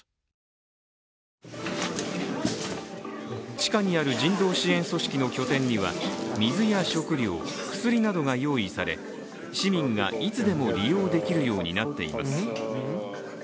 地下にある人道支援組織の拠点には水や食料、薬などが用意され市民がいつでも利用できるようになっています。